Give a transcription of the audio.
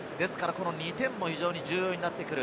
２点も非常に重要になってくる。